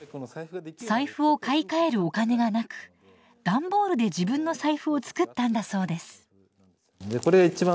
財布を買い替えるお金がなく段ボールで自分の財布を作ったんだそうです。